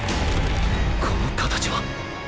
この「形」はッ！！